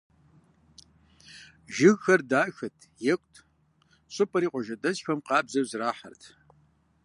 Жыгхэр дахэт, екӏут, щӏыпӏэри къуажэдэсхэм къабзэу зэрахьэрт.